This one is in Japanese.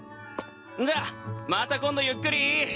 じゃまた今度ゆっくり。